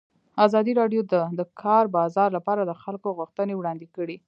ازادي راډیو د د کار بازار لپاره د خلکو غوښتنې وړاندې کړي.